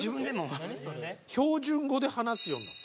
「標準語で話すようになった」。